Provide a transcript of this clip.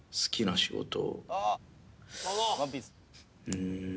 うん。